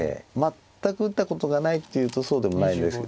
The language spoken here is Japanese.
全く打ったことがないというとそうでもないんですけど。